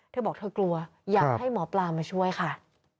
เธอบอกเธอกลัวอยากให้หมอปลามาช่วยค่ะ